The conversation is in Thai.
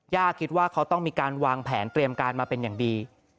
คิดว่าเขาต้องมีการวางแผนเตรียมการมาเป็นอย่างดี